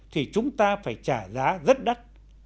thì chúng ta phải trả giá rất đắt